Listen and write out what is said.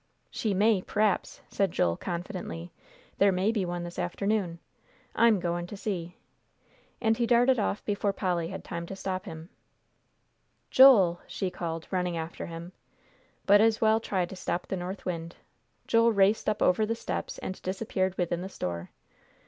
"She may, p'r'aps," said Joel, confidently "there may be one this afternoon. I'm goin' to see," and he darted off before Polly had time to stop him. "Joel!" she called, running after him. But as well try to stop the north wind. Joel raced up over the steps and disappeared within the store.